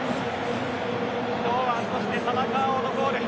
堂安、そして田中碧のゴール。